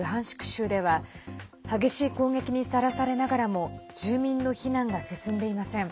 州では激しい攻撃にさらされながらも住民の避難が進んでいません。